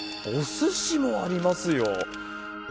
おすしもありますよ。